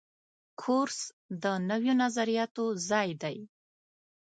کورس د نویو نظریاتو ځای دی.